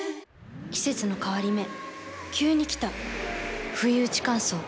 季節の変わり目急に来たふいうち乾燥。